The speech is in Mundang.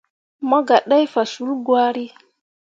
Mo gah ɗai faswulli gwari.